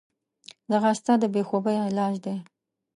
ځغاسته د بېخوبي علاج دی